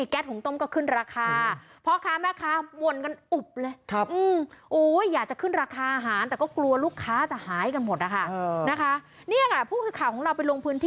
แก๊สของผมก็ขึ้นราคา